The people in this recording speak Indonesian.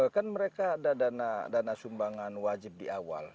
kan mereka ada dana sumbangan wajib di awal